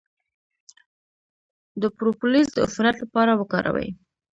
د پروپولیس د عفونت لپاره وکاروئ